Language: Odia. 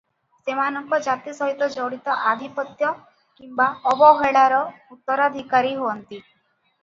ସେମାନଙ୍କ ଜାତି ସହିତ ଜଡ଼ିତ ଆଧିପତ୍ୟ କିମ୍ବା ଅବହେଳାର ଉତ୍ତରାଧିକାରୀ ହୁଅନ୍ତି ।